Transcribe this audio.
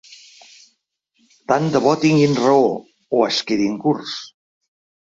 Tant de bo tinguin raó… o es quedin curts.